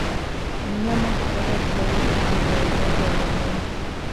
Mnyama kukonda ni dalili nyingine ya ugonjwa wa minyoo